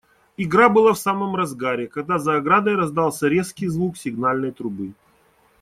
Игра была в самом разгаре, когда за оградой раздался резкий звук сигнальной трубы.